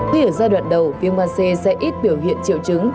khi ở giai đoạn đầu viêm gan c sẽ ít biểu hiện triệu chứng